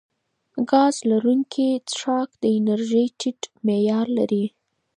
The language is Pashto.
ګاز لرونکي څښاک د انرژۍ ټیټ معیار لري.